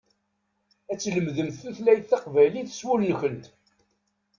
Ad tlemdemt tutlayt taqbaylit s wul-nkent.